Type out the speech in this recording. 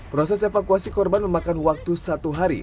proses evakuasi korban memakan waktu satu hari